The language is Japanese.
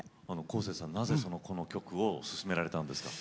こうせつさんなぜこの曲をすすめられたんですか？